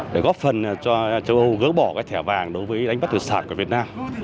để góp phần cho châu âu gỡ bỏ thẻ vàng đối với đánh bắt hải sản của việt nam